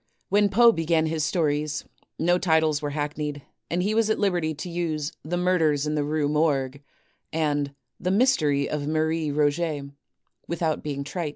When Poe began his stories, no titles were hackneyed and he was at liberty to use "The Murders in the Rue Morgue" and "The Mystery of Marie Roget" without being trite.